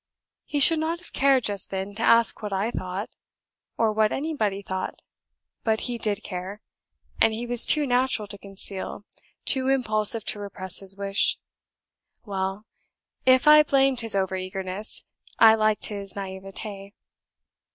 He should not have cared just then to ask what I thought, or what anybody thought; but he DID care, and he was too natural to conceal, too impulsive to repress his wish. Well! if I blamed his over eagerness, I liked his naivete.